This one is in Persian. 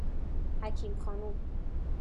حکیم خانم